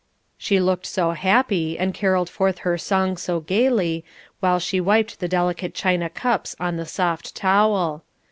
She looked so happy and caroled forth her song so gaily, while she wiped the delicate china cups on the soft towel.